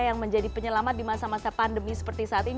yang menjadi penyelamat di masa masa pandemi seperti saat ini